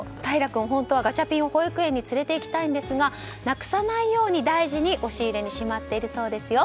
泰來君、本当はガチャピンを保育園に連れていきたいんですがなくさないように大事に押し入れにしまっているそうですよ。